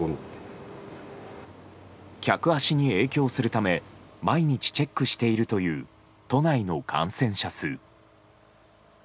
客足に影響するため毎日チェックしているという都内の感染者数。